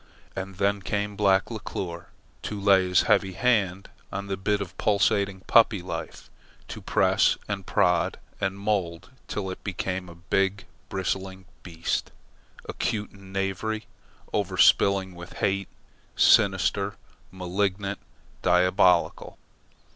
And then came Black Leclere, to lay his heavy hand on the bit of pulsating puppy life, to press and prod and mould till it became a big bristling beast, acute in knavery, overspilling with hate, sinister, malignant, diabolical.